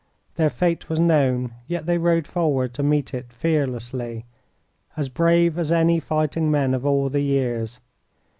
Their fate was known, yet they rode forward to meet it fearlessly, as brave as any fighting men of all the years.